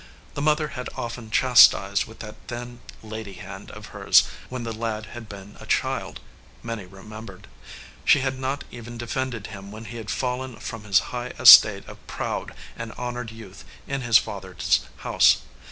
The mother had often chastised with that thin, lady hand of hers when the lad had been a child, Minnie remembered. She had not even defended him when he had fallen from his high estate of proud and honored youth in his father s house.